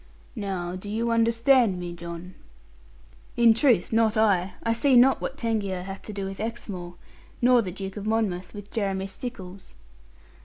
Now, do you understand me, John?' 'In truth, not I. I see not what Tangier hath to do with Exmoor; nor the Duke of Monmouth with Jeremy Stickles.'